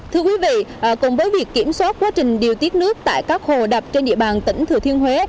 thưa quý vị cùng với việc kiểm soát quá trình điều tiết nước tại các hồ đập trên địa bàn tỉnh thừa thiên huế